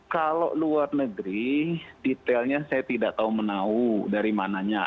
kalau luar negeri detailnya saya tidak tahu menau dari mananya